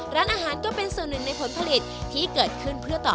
ร้านอาหารก็เป็นส่วนหนึ่งในผลผลิตที่เกิดขึ้นเพื่อต่อ